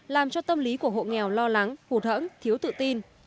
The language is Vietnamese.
làm cho tâm lý của hộ nghèo lo lắng hụt hẫng thiếu tự tin